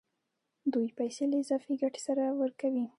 دوی پیسې له اضافي ګټې سره ورکوي